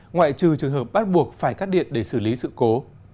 ngoại trừ trường hợp bắt buộc phải cắt điện để xử lý sự cố